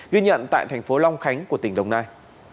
ghi nhận tại thành phố long khánh của tỉnh đồng nai